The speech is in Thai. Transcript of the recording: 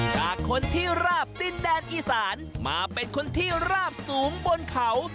จากคนที่ราบดินแดนอีสานมาเป็นคนที่ราบสูงบนเขา